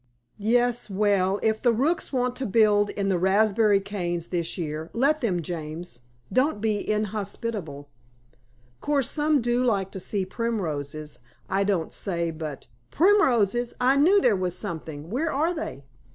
"Yes; well, if the rooks want to build in the raspberry canes this year, let them, James. Don't be inhospitable." "Course, some do like to see primroses, I don't say. But " "Primroses I knew there was something. Where are they?"